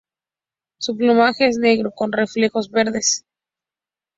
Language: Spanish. Su plumaje es negro con reflejos verdes.